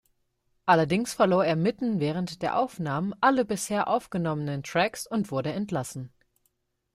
Allerdings verlor er mitten während der Aufnahmen alle bisher aufgenommenen Tracks und wurde entlassen.